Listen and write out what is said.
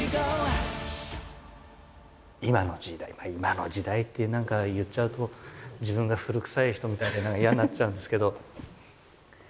今の時代「今の時代」って言っちゃうと自分が古くさい人みたいで嫌になっちゃうんですけど。